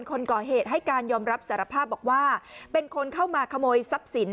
คนก่อเหตุให้การยอมรับสารภาพบอกว่าเป็นคนเข้ามาขโมยทรัพย์สิน